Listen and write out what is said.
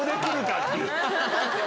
っていう。